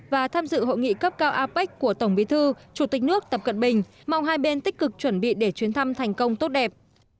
và tham dự hội nghị cấp cao apec của tổng bí thư chủ tịch nước tập cận bình mong hai bên tích cực chuẩn bị để chuyến thăm thành công tốt đẹp